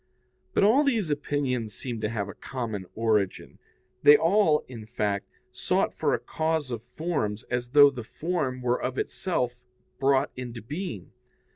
But all these opinions seem to have a common origin; they all, in fact, sought for a cause of forms as though the form were of itself brought into being.